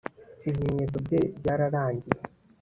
ibimenyetso bye byararangiye